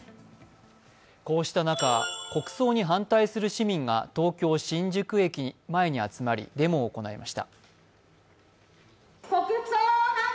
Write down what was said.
こうした中、国葬に反対する市民が東京・新宿駅前に集まりデモを行いました。